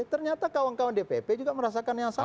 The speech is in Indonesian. ternyata kawan kawan dpp juga merasakan yang sama